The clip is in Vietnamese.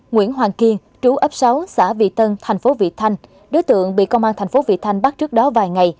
nguyễn hoàng kiên trú ấp sáu xã vị tân tp vị thanh đối tượng bị công an tp vị thanh bắt trước đó vài ngày